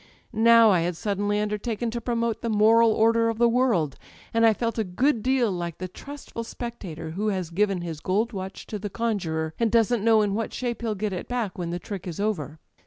Now I had suddenly undertaken to pro mote the moral order of the world, and I felt a good deal like the trustful spectator who has given his gold ^ watch to the conjurer, and doesn't know in what shape he'll get it back when the trick is over